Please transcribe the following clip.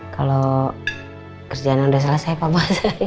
kalau kerjaan udah selesai papa